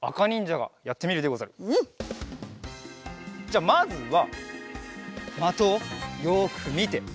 じゃあまずはまとをよくみて。